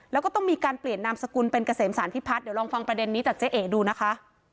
แล้วก็ต้องมีการเปลี่ยนนามสกุลเป็นเกษมสารพิพัฒน์เดี๋ยวลองฟังประเด็นนี้จากเจ๊เอ๋ดูนะคะ